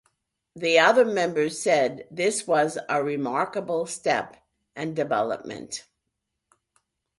The other members said this was a remarkable step and development.